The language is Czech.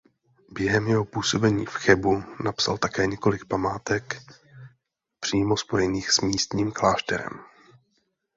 Během jeho působení v Chebu napsal také několik památek přímo spojených s místním klášterem.